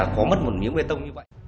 có mất một miếng bê tông